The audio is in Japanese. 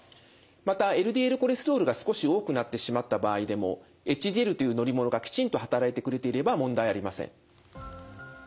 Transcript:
またＬＤＬコレステロールが少し多くなってしまった場合でもＨＤＬという乗り物がきちんと働いてくれていれば問題ありません。